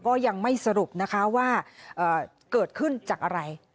ก็ยังไม่สรุปนะคะว่าเกิดขึ้นจากอะไร